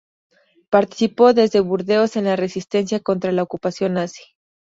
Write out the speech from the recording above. Participó desde Burdeos en la resistencia contra la ocupación nazi.